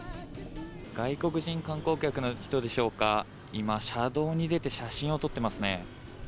外国人観光客の人でしょうか、今、車道に出て、写真を撮ってますね。